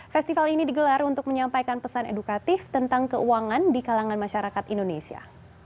festival ini digelar untuk menyampaikan pesan edukatif tentang keuangan di kalangan masyarakat indonesia